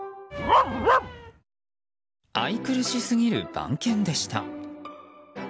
愛くるしすぎる番犬でした。